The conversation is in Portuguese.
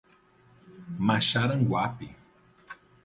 Maxaranguape